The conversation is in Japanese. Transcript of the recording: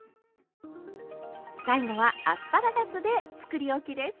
最後はアスパラガスでつくりおきです。